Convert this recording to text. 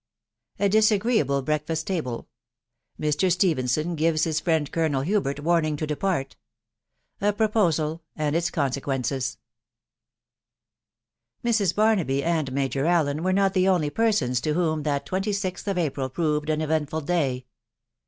A DISAGREEABLE BREAXFAST TABLX. — MB. STXVHKKSOV GIVtB BB FRIEND COLONEL HUBERT WARNING TO DEPART. —▲ PA0109AL, AS» ITS CONSEQUENCES. Mrs. Barnaby: and Major Allen were not the only persons Id whom that twenty sixth of April proved an eventful day.